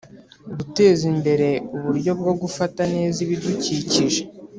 guteza imbere uburyo bwo gufata neza ibidukikije